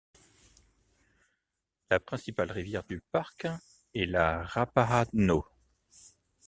La principale rivière du parc est la Ráhpaädno.